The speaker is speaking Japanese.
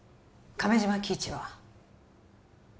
亀島喜一は？